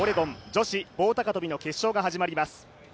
女子棒高跳の決勝が始まります。